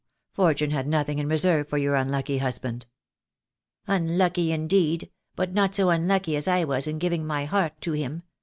Fortune had nothing in reserve for your unlucky husband." "Unlucky, indeed, but not so unlucky as I was in giving my heart to him.